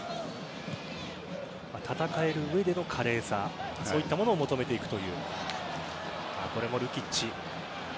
戦えるうえでの華麗さといったものを求めるという。